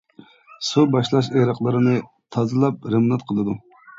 سۇ باشلاش ئېرىقلىرىنى تازىلاپ رېمونت قىلىدۇ.